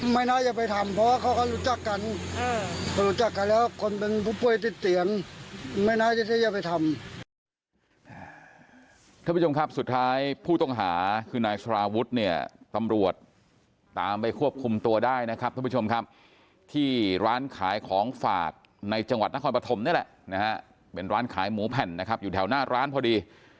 มายิงกันขนาดนี้